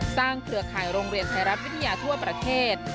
เครือข่ายโรงเรียนไทยรัฐวิทยาทั่วประเทศ